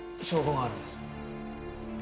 証拠があるんです。